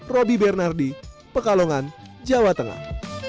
roby bernardi pekalongan jawa tengah